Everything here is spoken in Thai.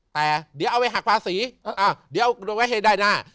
แต่เดี๋ยวเอาไปหักภาษีเดี๋ยวเอาไว้ให้ได้หน้า